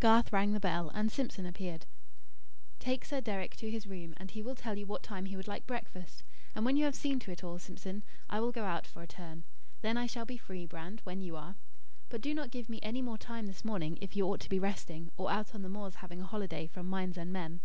Garth rang the bell and Simpson appeared. "Take Sir Deryck to his room; and he will tell you what time he would like breakfast. And when you have seen to it all, Simpson, I will go out for a turn. Then I shall be free, Brand, when you are. But do not give me any more time this morning if you ought to be resting, or out on the moors having a holiday from minds and men."